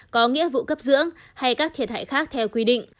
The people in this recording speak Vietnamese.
có nghĩa vụ cấp dưỡng hay các thiệt hại khác theo quy định